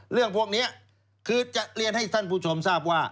เรื่องพวกนี้คือจะเรียนให้ท่านผู้ชมทราบว่า